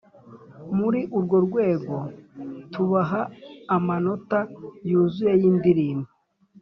muri urworwego tubaha amanota yuzuye y’indirimbo